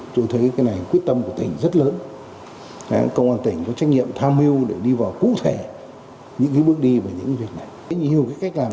tôi thấy cái này quyết tâm của tỉnh rất lớn công an tỉnh có trách nhiệm tham hưu để đi vào cụ thể những bước đi về những việc này